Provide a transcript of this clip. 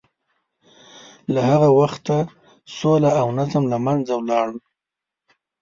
له هغه وخته سوله او نظم له منځه ولاړ.